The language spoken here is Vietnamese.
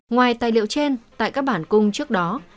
ngoài tài liệu trên tại các bản cung trước đó